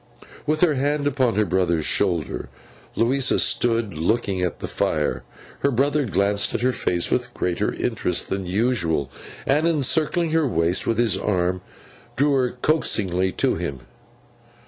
With her hand upon her brother's shoulder, Louisa still stood looking at the fire. Her brother glanced at her face with greater interest than usual, and, encircling her waist with his arm, drew her coaxingly to him.